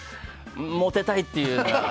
モテたいっていう。